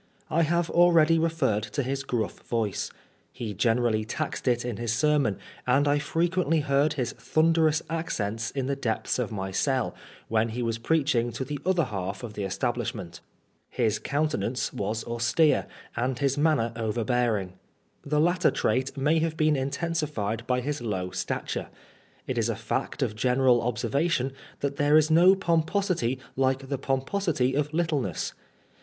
I have already referred to his gruff voice. Hegenerally taxed it in his sermon, and I frequently heard his thunder ous accents in the depths of my cell, when he was preaching to the other half of the establishment. His personal appearance harmonised with his voice. His 142 PRISONER FOR BLASPHEMY. •countenance was anstere, and his manner overbearing. The latter trait may have been intensified by his low stature. It is a fact of general observation that there is no pomposity like the pomposity of littleness.